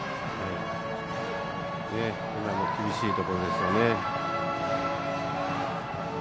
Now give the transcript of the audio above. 今も厳しいところですよね。